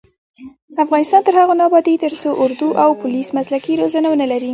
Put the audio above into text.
افغانستان تر هغو نه ابادیږي، ترڅو اردو او پولیس مسلکي روزنه ونه لري.